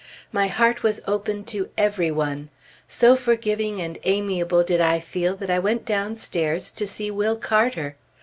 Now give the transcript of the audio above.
My heart was open to every one. So forgiving and amiable did I feel that I went downstairs to see Will Carter!